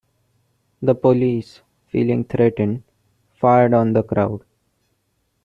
The police, feeling threatened, fired on the crowd.